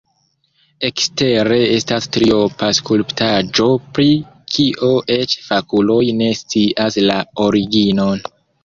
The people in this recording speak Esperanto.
Ekstere estas triopa skulptaĵo, pri kio eĉ fakuloj ne scias la originon.